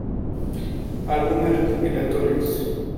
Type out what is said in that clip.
Álbumes recopilatorios